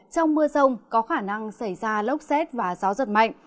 trong mưa rông có khả năng xảy ra lốc xét và gió giật mạnh